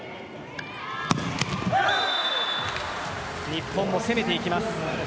日本も攻めていきます。